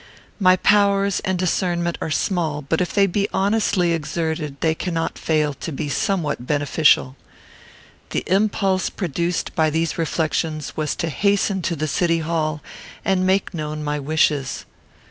My powers and discernment are small, but if they be honestly exerted they cannot fail to be somewhat beneficial. The impulse produced by these reflections was to hasten to the City Hall, and make known my wishes.